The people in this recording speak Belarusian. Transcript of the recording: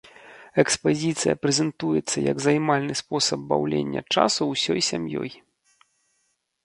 Экспазіцыя прэзентуецца як займальны спосаб баўлення часу ўсёй сям'ёй.